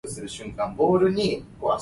無痟貪，就免信神